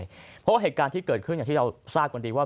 เพราะว่าเหตุการณ์ที่เกิดขึ้นอย่างที่เราทราบกันดีว่า